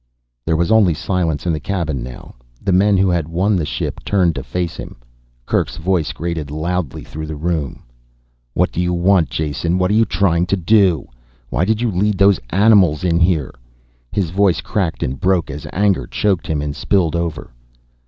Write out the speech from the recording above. There was only silence in the cabin now, the men who had won the ship turned to face him. Kerk's voice grated loudly through the room. "What do you want, Jason what are you trying to do? Why did you lead those animals in here ..." His voice cracked and broke as anger choked him and spilled over.